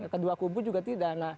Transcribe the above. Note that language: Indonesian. kedua kubu juga tidak